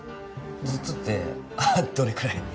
ずっとってどれくらい？